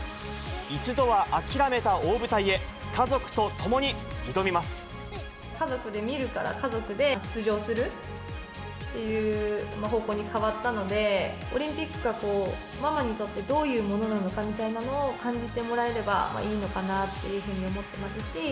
一度は諦めた大舞台へ、家族で見るから、家族で出場するっていう方向に変わったので、オリンピックが、ママにとってどういうものなのかみたいなのを感じてもらえればいいのかなというふうに思ってますし。